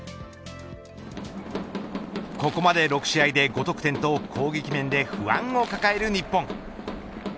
ここまで６試合で５得点と攻撃面で不安を抱える日本。